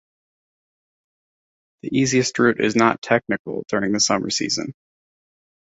The easiest route is not "technical" during the summer season.